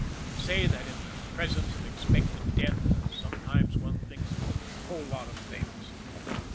They say that in the presence of expected death sometimes one thinks of a whole lot of things.